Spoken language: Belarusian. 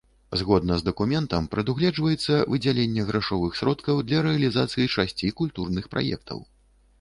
Згодна з дакументам, прадугледжваецца выдзяленне грашовых сродкаў для рэалізацыі шасці культурных праектаў.